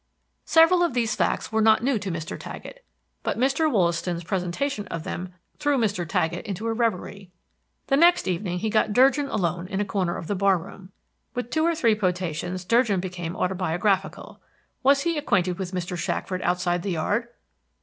Several of these facts were not new to Mr. Taggett, but Mr. Wollaston's presentation of them threw Mr. Taggett into a reverie. The next evening he got Durgin alone in a corner of the bar room. With two or three potations Durgin became autobiographical. Was he acquainted with Mr. Shackford outside the yard?